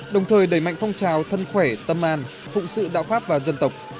đồng thời đẩy mạnh phong trào thân khỏe tâm an phụ sự đạo pháp và dân tộc